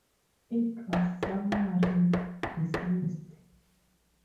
It was summarily dismissed.